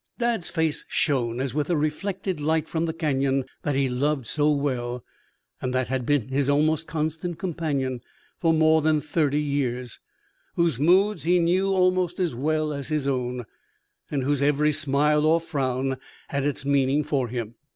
Dad's face shone as with a reflected light from the Canyon that he loved so well, and that had been his almost constant companion for more than thirty years; whose moods he knew almost as well as his own, and whose every smile or frown had its meaning for him.